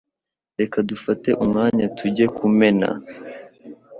Reka dufate umwanya tujye kumena.